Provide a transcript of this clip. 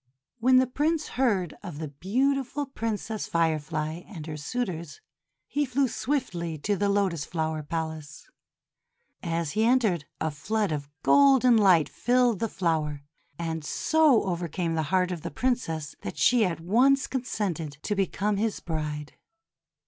When the Prince heard of the beautiful Prin cess Firefly and her suitors, he flew swiftly to the Lotus Flower Palace. As he entered, a flood of golden light filled the flower, and so overcame the heart of the Princess that she at once con sented to become his bride.